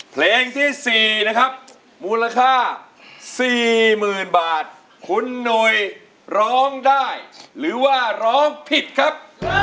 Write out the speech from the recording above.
เพลงที่๔ของเขาดูสิว่าเขาจะทำสำเร็จหรือว่าร้องผิดครับ